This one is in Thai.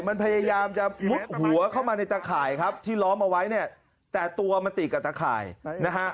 มันพยายามจะมุดหัวเข้ามาในตะข่ายครับที่ล้อมเอาไว้เนี่ยแต่ตัวมันติดกับตะข่ายนะฮะ